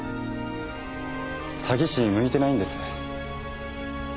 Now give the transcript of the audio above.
詐欺師に向いてないんです。